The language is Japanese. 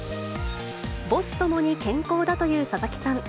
母子ともに健康だという佐々木さん。